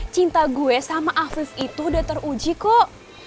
cinta gue sama afif itu udah teruji kok